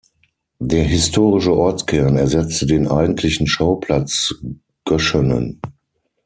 Der historische Ortskern ersetzte den eigentlichen Schauplatz Göschenen.